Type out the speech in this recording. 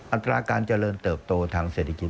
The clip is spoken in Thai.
อัตราการเจริญเติบโตทางเศรษฐกิจ